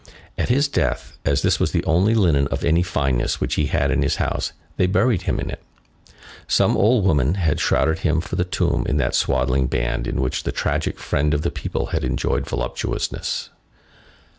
At his death, as this was the only linen of any fineness which he had in his house, they buried him in it. Some old women had shrouded him for the tomb in that swaddling band in which the tragic Friend of the people had enjoyed voluptuousness.